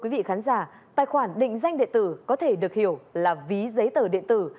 quý vị khán giả tài khoản định danh điện tử có thể được hiểu là ví giấy tờ điện tử